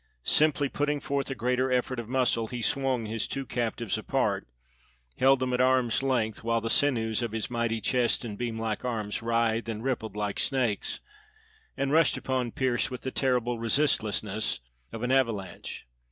Simply putting forth a greater effort of muscle he swung his two captives apart, held them at arm's length while the sinews of his mighty chest and beamlike arms writhed and rippled like snakes, and rushed upon Pearse with the terrible resistlessness of an avalanche.